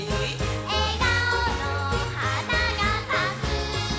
「えがおのはながさく」